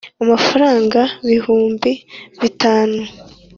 amafaranga bihumbi bitanu